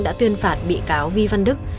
đã tuyên phạt bị cáo vi văn đức